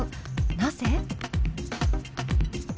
なぜ？